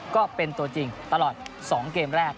ก็เป็นตัวจริงตลอด๒เกมแรก